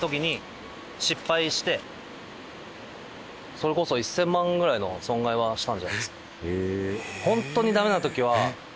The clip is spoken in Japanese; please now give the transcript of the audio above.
それこそ１０００万ぐらいの損害はしたんじゃないですかね。